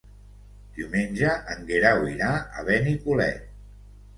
Diumenge en Guerau irà a Benicolet.